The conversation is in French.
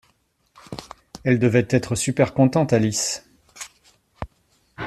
Elle devait être super contente Alice!